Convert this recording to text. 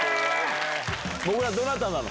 もぐら、どなたなの？